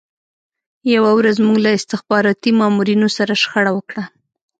یوه ورځ موږ له استخباراتي مامورینو سره شخړه وکړه